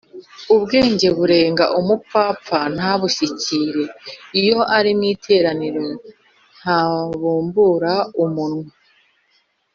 ubwenge burenga umupfapfa ntabushyikire, iyo ari mu iteraniro ntabumbura umunwa